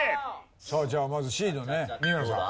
さあじゃあまずＣのね三村さん。